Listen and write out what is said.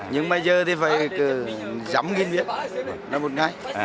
nhưng bây giờ thì phải giấm một viên là một ngày